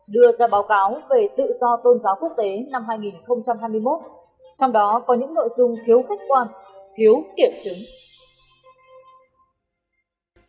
đưa ra báo cáo về tự do tôn giáo quốc tế năm hai nghìn hai mươi một trong đó có những nội dung thiếu khách quan thiếu kiểm chứng